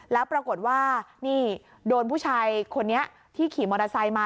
แล้วปรากฏว่านี่โดนผู้ชายคนนี้ที่ขี่มอเตอร์ไซค์มา